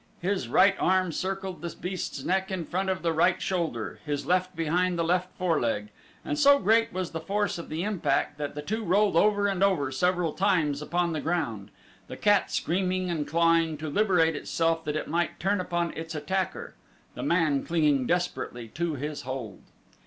His right arm circled the beast's neck in front of the right shoulder, his left behind the left foreleg, and so great was the force of the impact that the two rolled over and over several times upon the ground, the cat screaming and clawing to liberate itself that it might turn upon its attacker, the man clinging desperately to his hold.